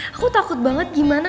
aku takut banget gimana